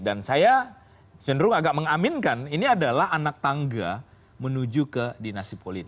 dan saya cenderung agak mengaminkan ini adalah anak tangga menuju ke dinasti politik